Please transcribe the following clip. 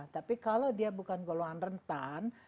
tapi kalau dia bukan golongan rentan